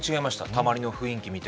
たまりの雰囲気見て。